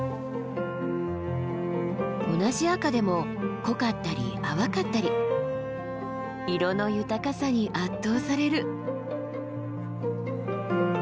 同じ赤でも濃かったり淡かったり色の豊かさに圧倒される。